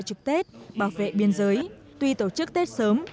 tổ chức tết bảo vệ biên giới tuy tổ chức tết sớm